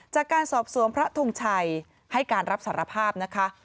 จากการสอบสวนพระทงชัยให้การรับสารภาพนะคะ